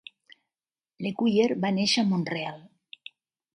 L'Ecuyer va néixer a Mont-real.